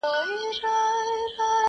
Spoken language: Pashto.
په افغان وطن کي شان د جنتو دی،